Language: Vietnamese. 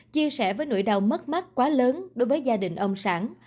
chia sẻ với nỗi đau mất mát quá lớn đối với gia đình ông sản